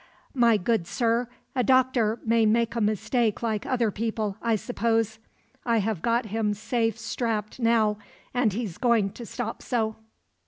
"My good sir, a doctor may make a mistake like other people, I suppose. I have got him safe strapped now, and he's going to stop so."